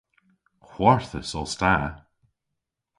Hwarthus os ta.